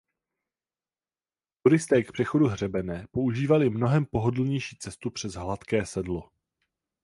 Turisté k přechodu hřebene používali mnohem pohodlnější cestu přes Hladké sedlo.